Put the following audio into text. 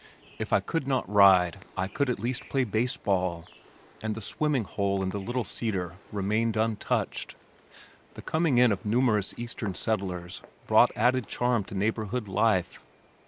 If I could not ride I could at least play baseball, and the swimming hole in the Little Cedar remained untouched. The coming in of numerous Eastern settlers brought added charm to neighborhood life.